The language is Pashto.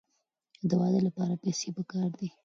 د واده لپاره پیسې پکار دي.